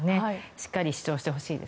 しっかり主張してほしいです。